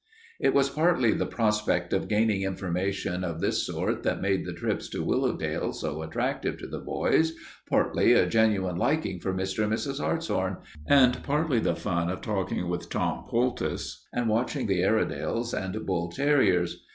It was partly the prospect of gaining information of this sort that made the trips to Willowdale so attractive to the boys, partly a genuine liking for Mr. and Mrs. Hartshorn, and partly the fun of talking with Tom Poultice and watching the Airedales and bull terriers.